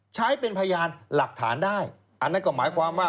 ใช้เป็นพยานหลักฐานได้อันนั้นก็หมายความว่า